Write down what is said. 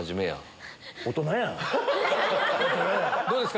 どうですか？